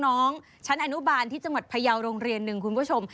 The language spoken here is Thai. น้องชั้นอนุบาลที่จังหวัดพยาวโรงเรียนหนึ่งคุณผู้ชม